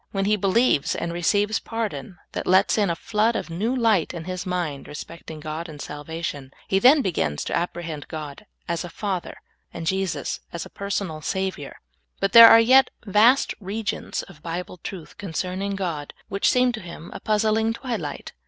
When he believes and receives pardon that lets in a flood of new light in his mind respecting God and sal vation, he then begins to apprehend God as a Father and Jesus as a pensonal Savior. But there are 3 et vast regions of Bible truth con cerning God which seem to him a puzzling twilight.